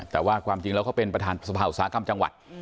แต่ว่าความจริงแล้วเขาเป็นประธานสภาอุตสาหกรรมจังหวัด